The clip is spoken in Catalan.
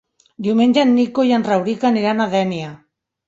Diumenge en Nico i en Rauric aniran a Dénia.